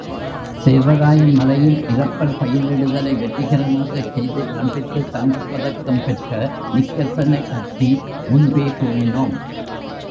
சேர்வராயன் மலையில் இரப்பர் பயிரிடுதலை வெற்றிகரமாகச் செய்து காண்பித்துத் தங்கப்பதக்கம் பெற்ற நிக்கல்சனைப்பற்றி முன்பே கூறினோம்.